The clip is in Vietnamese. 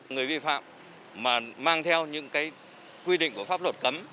người vi phạm mà mang theo những cái quy định của pháp luật cấm